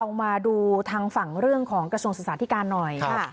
มาดูทางฝั่งเรื่องของกระทรวงศึกษาธิการหน่อยค่ะ